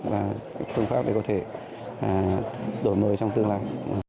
và phương pháp để có thể đổi mới trong tương lai